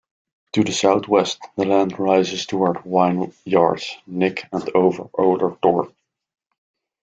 To the south-west, the land rises towards Winyards Nick and Over Owler Tor.